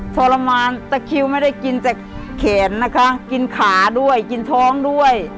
ทรมานตะคิวไม่ได้กินแต่แขนนะคะกินขาด้วยกินท้องด้วย